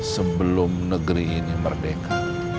sebelum negeri ini merdeka